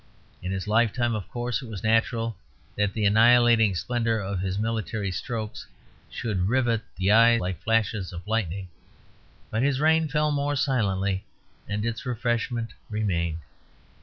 In his lifetime, of course, it was natural that the annihilating splendour of his military strokes should rivet the eye like flashes of lightning; but his rain fell more silently, and its refreshment remained.